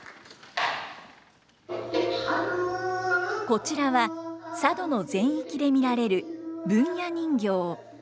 こちらは佐渡の全域で見られる文弥人形。